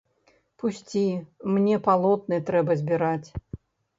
Пусці, мне палотны трэба збіраць.